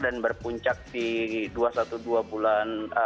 dan berpuncak di dua ratus dua belas bulan